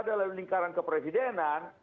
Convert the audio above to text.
dalam lingkaran kepresidenan